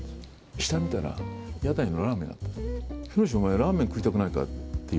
下を見たら、屋台のラーメンがあって、ひろし、お前ラーメン食いたくないかって。